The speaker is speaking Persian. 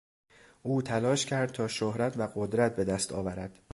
او تلاش کرد تا شهرت و قدرت بهدست آورد.